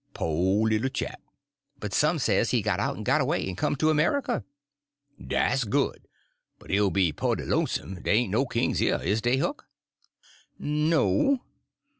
"Po' little chap." "But some says he got out and got away, and come to America." "Dat's good! But he'll be pooty lonesome—dey ain' no kings here, is dey, Huck?" "No."